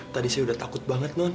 tadi saya udah takut banget non